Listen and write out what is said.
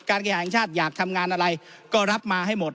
แข่งชาติอยากทำงานอะไรก็รับมาให้หมด